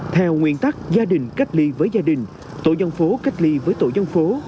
theo nguyên tắc gia đình cách ly với gia đình tổ dân phố cách ly với tổ dân phố